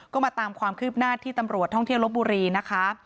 ก็มาตามความคืบหน้าที่ตำรวจท่องเที่ยวลบบุรีนะคะ